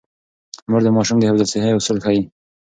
مور د ماشوم د حفظ الصحې اصول ښيي.